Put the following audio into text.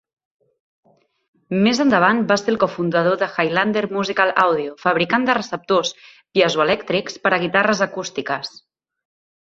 Més endavant va ser el cofundador de Highlander Musical Audio, fabricant de receptors piezoelèctrics per a guitarres acústiques.